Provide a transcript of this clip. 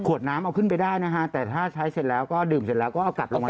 น้ำเอาขึ้นไปได้นะฮะแต่ถ้าใช้เสร็จแล้วก็ดื่มเสร็จแล้วก็เอากลับลงมา